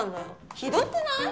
ひどくない？